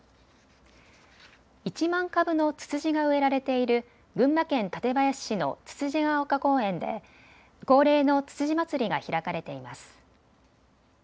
１万株のツツジが植えられている群馬県館林市のつつじが岡公園で恒例のつつじまつりが開かれています。